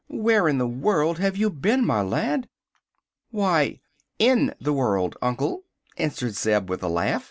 "Where in the world have you been, my lad?" "Why, in the world, Uncle," answered Zeb, with a laugh.